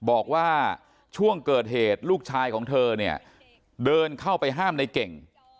บอกว่าช่วงเกิดเหตุลูกชายของเธอเนี่ยเดินเข้าไปห้ามในเก่ง